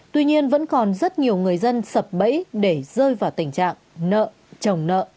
tuy nhiên vẫn còn rất nhiều người dân sập bẫy để rơi vào tình trạng nợ chồng nợ